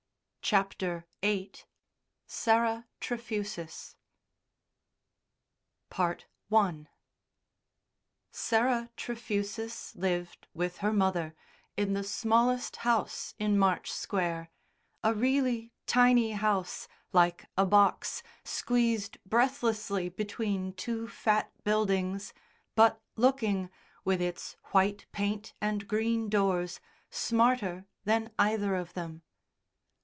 CHAPTER VIII SARAH TREFUSIS I Sarah Trefusis lived, with her mother, in the smallest house in March Square, a really tiny house, like a box, squeezed breathlessly between two fat buildings, but looking, with its white paint and green doors, smarter than either of them.